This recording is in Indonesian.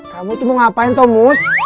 kamu tuh mau ngapain tomus